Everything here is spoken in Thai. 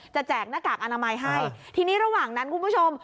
แจกหน้ากากอนามัยให้ทีนี้ระหว่างนั้นคุณผู้ชม